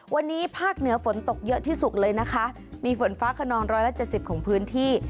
วันนี้ภาคเหนือฝนตกเยอะที่สุดเลยนะคะมีฝนฟ้าขนอง๑๗๐ของพื้นที่